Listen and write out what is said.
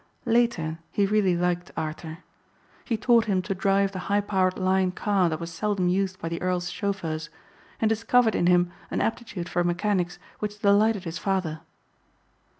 Later he really liked Arthur. He taught him to drive the high powered Lion car that was seldom used by the earl's chauffeurs and discovered in him an aptitude for mechanics which delighted his father.